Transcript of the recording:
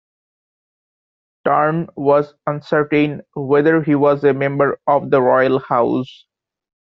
Tarn was uncertain whether he was a member of the royal house.